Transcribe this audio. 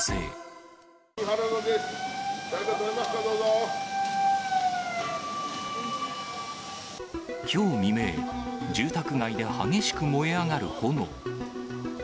誰かいますか、きょう未明、住宅街で激しく燃え上がる炎。